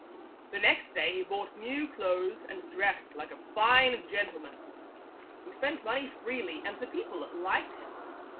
The next day he bought new clothes and dressed like a fine gentleman. He spent money freely, and the people liked him.